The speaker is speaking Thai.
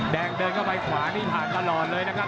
เดินเข้าไปขวานี่ผ่านตลอดเลยนะครับ